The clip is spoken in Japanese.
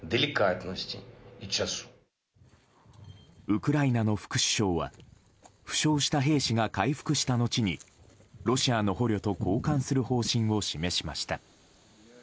ウクライナの副首相は負傷した兵士が回復した後にロシアの捕虜と交換する方針を示しました。